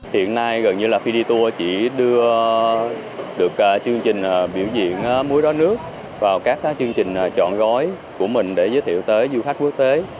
hiện nay gần như là khi đi tour chỉ đưa được chương trình biểu diễn muối đói nước vào các chương trình chọn gói của mình để giới thiệu tới du khách quốc tế